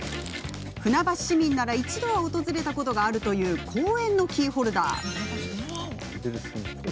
出てきたのは船橋市民なら一度は訪れたことがあるという公園のキーホルダー。